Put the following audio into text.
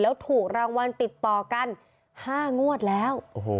แล้วถูกรางวัลติดต่อกัน๕งวดแล้ว